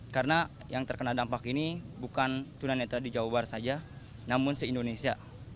karena yang terkena dampak ini bukan tunan netra di jawa barat saja namun se indonesia